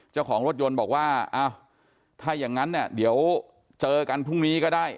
เจ้าของรถยนต์บอกว่าอ้าวถ้าอย่างนั้นเนี่ยเดี๋ยวเจอกันพรุ่งนี้ก็ได้